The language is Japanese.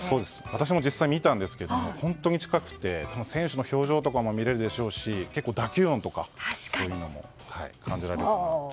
私も実際に見たんですけど本当に近くて選手の表情も見られるでしょうし結構、打球音とかそういうのも感じられると。